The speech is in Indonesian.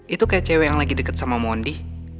itu kayak cewek yang lagi deket sama mondi